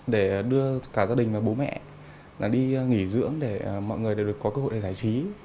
để đưa cả gia đình và bố mẹ đi nghỉ dưỡng để mọi người đều có cơ hội để giải trí